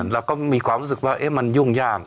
เราก็มีความรู้สึกว่ามันยุ่งยาก